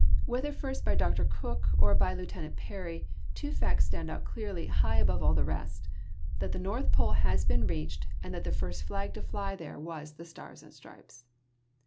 Whether first by Dr. Cook or by Lieut. Peary, two facts stand out clearly, high above all the rest — that the North Pole has been reached, and that the first flag to fly there was the Stars and Stripes.